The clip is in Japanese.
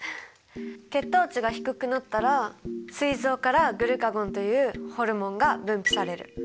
血糖値が低くなったらすい臓からグルカゴンというホルモンが分泌される。